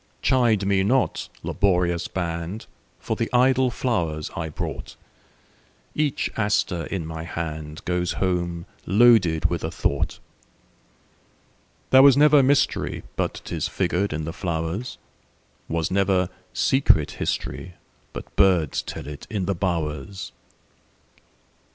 Chide me not, laborious band, For the idle flowers I brought; Every aster in my handGoes home loaded with a thought. There was never mysteryBut 'tis figured in the flowers; SWas never secret historyBut birds tell it in the bowers.